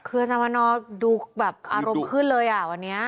คืออาจารย์วันนอร์ดูแบบอารมณ์ขึ้นเลยอ่ะวันนี้